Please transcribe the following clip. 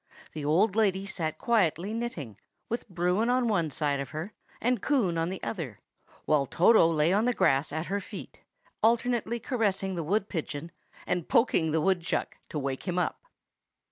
The old lady sat quietly knitting, with Bruin on one side of her, and Coon on the other; while Toto lay on the grass at her feet, alternately caressing the wood pigeon and poking the woodchuck to wake him up.